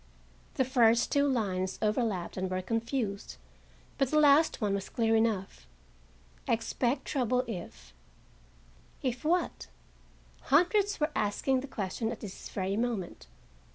The first two lines overlapped and were confused, but the last one was clear enough. Expect trouble if—If what? Hundreds were asking the question and at this very moment.